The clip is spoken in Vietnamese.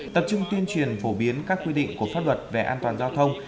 tập trung tuyên truyền phổ biến các quy định của pháp luật về an toàn giao thông